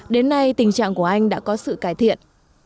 đến nay tình trạng của anh đã có sự cải thiện